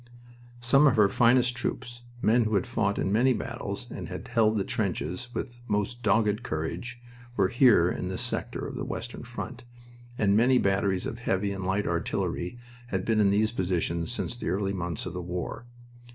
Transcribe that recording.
Some of her finest troops men who had fought in many battles and had held the trenches with most dogged courage were here in this sector of the western front, and many batteries of heavy and light artillery had been in these positions since the early months of the war.